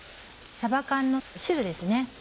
さば缶の汁ですね。